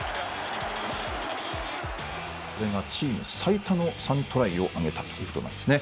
チーム最多の３トライを挙げたということですね。